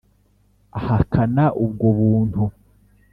ahakana ubwo buntu.